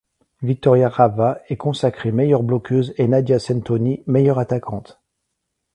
Victoria Ravva est consacrée meilleure bloqueuse et Nadia Centoni meilleure attaquante.